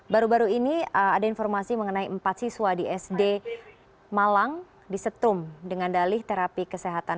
baru baru ini ada informasi mengenai empat siswa di sd malang disetrum dengan dalih terapi kesehatan